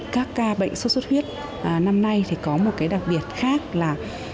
các ca bệnh sốt xuất huyết năm nay có một đặc biệt khác là